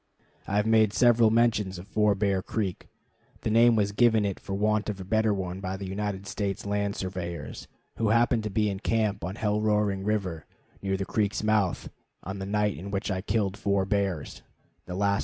I have made several mentions of Four Bear Creek. The name was given it for want of a better one by the United States Land Surveyors, who happened to be in camp on Hell Roaring River, near the creek's mouth, on the night in which I killed four bears, the last about 9.